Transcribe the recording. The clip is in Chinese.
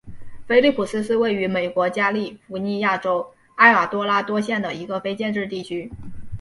菲利普斯是位于美国加利福尼亚州埃尔多拉多县的一个非建制地区。